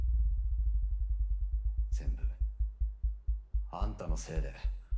全部あんたのせいで。